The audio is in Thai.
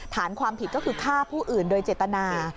ฐานความผิดก็คือฆ่าผู้อื่นโดยเจตนา